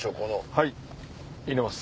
はい入れます。